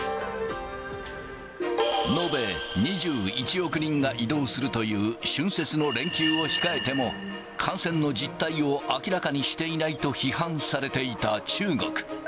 延べ２１億人が移動するという春節の連休を控えても、感染の実態を明らかにしていないと批判されていた中国。